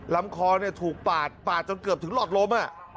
ลำคอถูกปาดปาดจนเกือบถึงหลอดลม